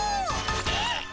えっ？